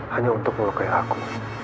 hanya untuk melukai aku